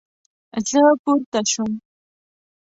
زه پورته شوم